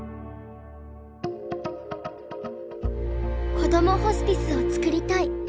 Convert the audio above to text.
こどもホスピスを作りたい。